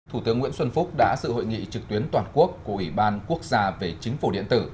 thủ tướng nguyễn xuân phúc đã dự hội nghị trực tuyến toàn quốc của ủy ban quốc gia về chính phủ điện tử